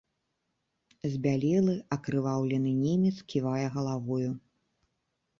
Збялелы, акрываўлены немец ківае галавою.